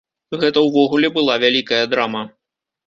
Гэта ўвогуле была вялікая драма.